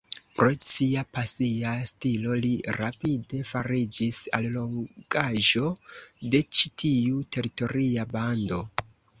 Pro sia pasia stilo li rapide fariĝis allogaĵo de ĉi tiu teritoria bando.